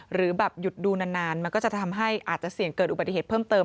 หรือแบบหยุดดูนานมันก็จะทำให้อาจจะเสี่ยงเกิดอุบัติเหตุเพิ่มเติม